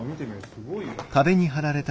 すごいよ。